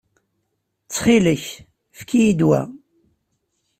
Ttxil-k, efk-iyi-d wa.